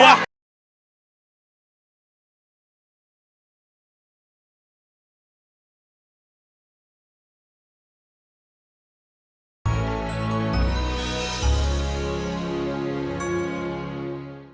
jatuh jatuh jatuh jatuh